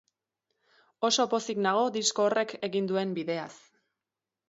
Oso pozik nago disko horrek egin duen bideaz.